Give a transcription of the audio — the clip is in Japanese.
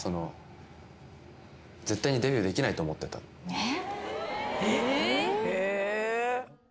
えっ？